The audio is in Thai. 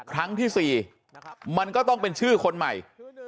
ครั้งที่๔มันก็ต้องเป็นชื่อคนใหม่